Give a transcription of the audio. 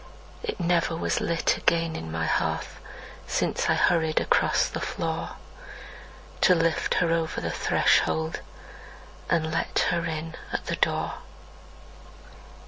It never was lit again on my hearth Since I hurried across the floor, To lift her over the threshold, and let her in at the door.